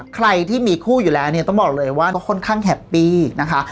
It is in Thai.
ใครที่มีคู่อยู่แล้วเนี่ยต้องบอกเลยว่าค่อนข้างแฮปปี้นะคะ